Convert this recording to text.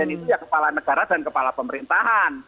itu ya kepala negara dan kepala pemerintahan